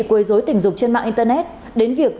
quấy rối tình dục trên mạng internet đến việc